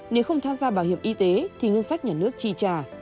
nếu không tham gia bảo hiểm y tế thì ngân sách nhà nước chi trả